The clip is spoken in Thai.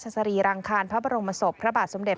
สรีรังคารพระบรมศพพระบาทสมเด็จ